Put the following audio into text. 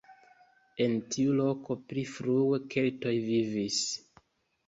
En tiu loko pli frue keltoj vivis.